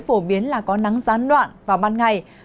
phổ biến là có nắng gián đoạn vào ban ngày